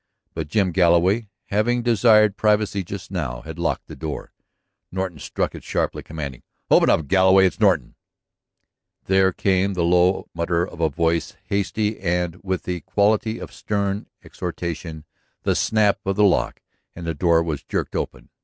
But Jim Galloway, having desired privacy just now, had locked the door. Norton struck it sharply, commanding: "Open up, Galloway. It's Norton." There came the low mutter of a voice hasty and with the quality of stern exhortation, the snap of the lock, and the door was jerked open.